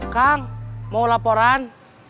kang mau laporan